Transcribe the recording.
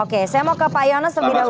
oke saya mau ke pak yohanes lebih dahulu